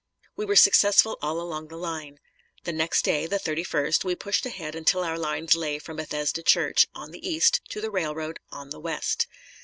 We were successful all along the line. The next day, the 31st, we pushed ahead until our lines lay from Bethesda Church, on the east, to the railroad, on the west.